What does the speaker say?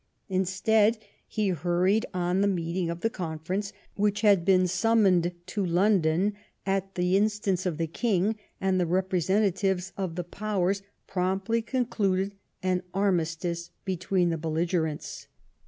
Instead, he hurried on the meeting of the Conference, which had been summoned to London at the instance of the King, and the representatives of the Powers promptly concluded an armistice between the belligerents.